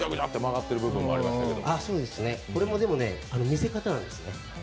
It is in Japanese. これも、でもね、見せ方なんですね。